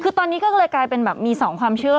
คือตอนนี้ก็เลยกลายเป็นแบบมี๒ความเชื่อ